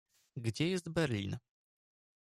Gdzie jest Berlin?